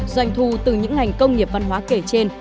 doanh thu từ những ngành công nghiệp văn hóa kể trên